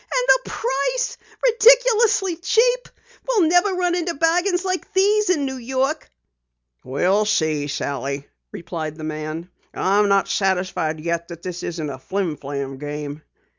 And the price! Ridiculously cheap! We'll never run into bargains like these in New York." "We'll see, Sally," replied the man. "I'm not satisfied yet that this isn't a flim flam game."